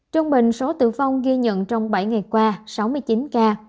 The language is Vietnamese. trong bệnh số tử vong ghi nhận trong bảy ngày qua sáu mươi chín ca